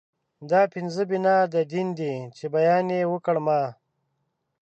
دا پنځه بنا د دين دي چې بیان يې وکړ ما